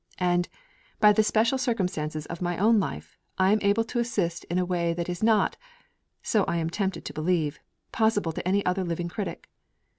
And, by the special circumstances of my own life, I am able to assist in a way that is not (so I am tempted to believe) possible to any other living critic.